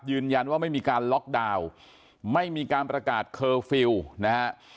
ยืนยันว่าไม่มีการล็อกดาวน์ไม่มีการประกาศเคอร์ฟิลล์นะฮะ